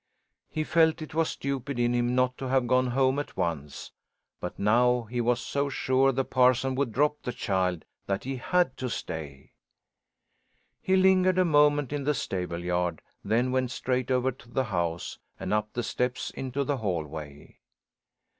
He felt it was stupid in him not to have gone home at once. But now he was so sure the parson would drop the child, that he had to stay. He lingered a moment in the stable yard, then went straight over to the house and up the steps into the hallway.